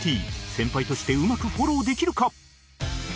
先輩としてうまくフォローできるか？